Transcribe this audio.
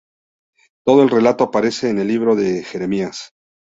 Todo el relato aparece en el Libro de Jeremías.